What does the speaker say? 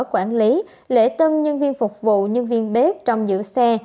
quản lý lễ tân nhân viên phục vụ nhân viên bếp trong giữ xe